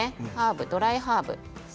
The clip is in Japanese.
ドライハーブ。